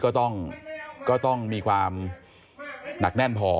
ก็ต้องมีความหนักแน่นพอ